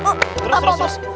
terus terus terus